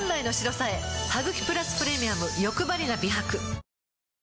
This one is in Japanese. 「ハグキプラスプレミアムよくばりな美白」